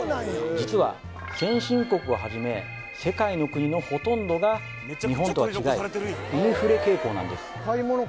実は先進国をはじめ世界の国のほとんどが日本とは違いインフレ傾向なんです